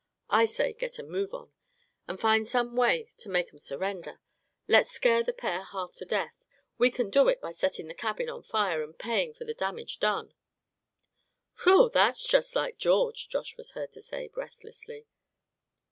I say get a move on, and find some way to make 'em surrender. Let's scare the pair half to death. We c'n do it by setting the cabin on fire, and paying for the damage done!" "Whew! that's just like George!" Josh was heard to say, breathlessly.